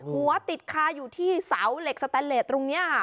หัวติดคาอยู่ที่เสาเหล็กสแตนเลสตรงนี้ค่ะ